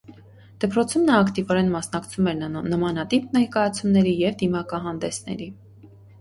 Դպրոցում նա ակտիվորեն մասնակցում էր նմանատիպ ներկայացումների և դիմակահանդեսների։